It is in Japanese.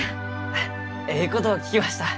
あっえいことを聞きました。